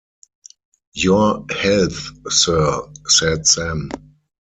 ‘Your health, Sir,’ said Sam.